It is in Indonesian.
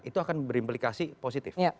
itu akan berimplikasi positif